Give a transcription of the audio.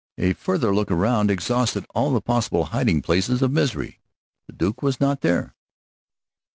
A further look around exhausted all the possible hiding places of Misery. The Duke was not there.